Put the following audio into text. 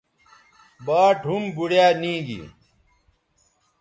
باٹ ھُم بوڑیا نی گی